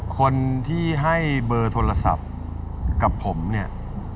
คนที่ให้เบอร์โทรศัพท์กับผมเนี่ย